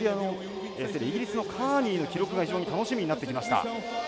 イギリスのカーニーの記録が非常に楽しみになってきました。